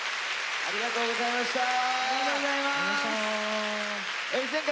ありがとうございます。